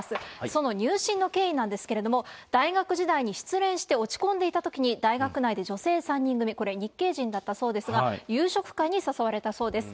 その入信の経緯なんですけれども、大学時代に失恋して落ち込んでいたときに、大学内で女性３人組、これ、日系人だったそうですが、夕食会に誘われたそうです。